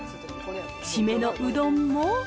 締めのうどんも。